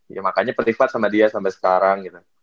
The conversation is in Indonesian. ya makanya pertipat sama dia sampe sekarang gitu